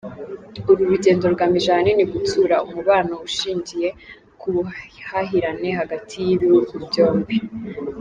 Uru rugendo rugamije ahanini gutsura umubano ushingiye ku buhahirane hagati y’ibihugu byombi.